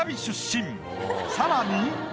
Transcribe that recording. さらに。